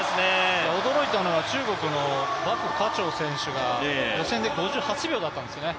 驚いたのは中国の莫家蝶選手が予選で５８秒だったんですよね。